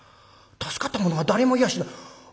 助かった者は誰もいやしない。